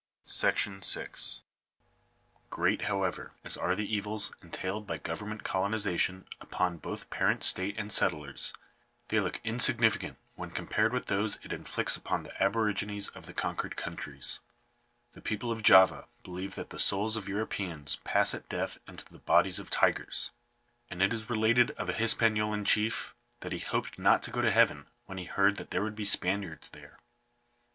§6. Great, however, as are the evils entailed by government colonization upon both parent state and settlers, they look Digitized by VjOOQIC GOVERNMENT COLONIZATION. 307 insignificant when compared with those it inflicts upon the aborigines of the conquered countries. The people of Java believe that the souls of Europeans pass at death into the bodies of tigers ; and it is related of a Hispaniolan chief that he hoped not to go to heaven when he heard there would be Spaniards there.